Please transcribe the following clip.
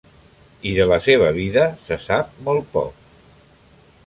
I de la seva vida se sap molt poc.